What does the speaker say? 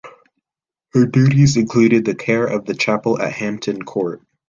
Her duties included the care of the chapel at Hampton Court.